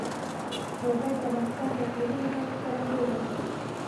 لوگر د افغانستان د اقلیمي نظام ښکارندوی ده.